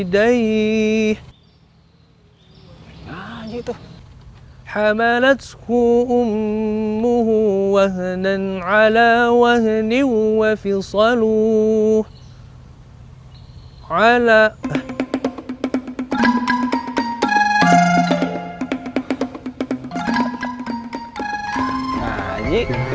di jalan gue ketemu